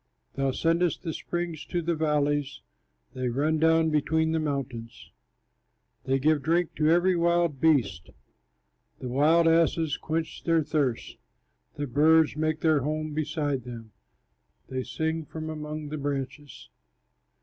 Thou sendest the springs to the valleys, They run down between the mountains, They give drink to every wild beast, The wild asses quench their thirst. The birds make their home beside them, They sing from among the branches.